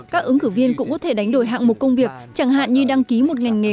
các ứng cử viên cũng có thể đánh đổi hạng mục công việc chẳng hạn như đăng ký một ngành nghề